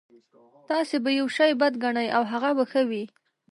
تاسې به يو شی بد ګڼئ او هغه به ښه وي.